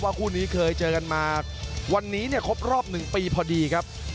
คู่นี้เคยเจอกันมาวันนี้เนี่ยครบรอบ๑ปีพอดีครับ